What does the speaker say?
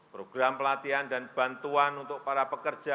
program pelatihan dan bantuan untuk para pekerja